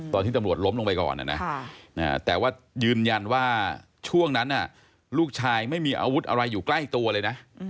ตอนที่ตำรวจล้มลงไปก่อนนะแต่ว่ายืนยันว่าช่วงนั้นลูกชายไม่มีอาวุธอะไรอยู่ใกล้ตัวเลยนะ